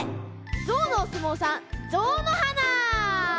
ゾウのおすもうさんゾウのはな！